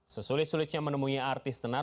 sesulit sulitnya menemunya artis tenar